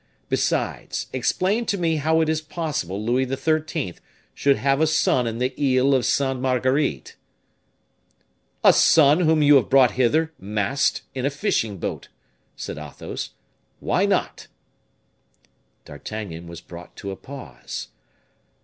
Besides, explain to me how it is possible Louis XIII. should have a son in the Isle of Sainte Marguerite." "A son whom you have brought hither masked, in a fishing boat," said Athos. "Why not?" D'Artagnan was brought to a pause.